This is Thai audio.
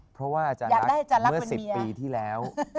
เพราะว่าอาจารย์รักเมื่อ๑๐ปีที่แล้ว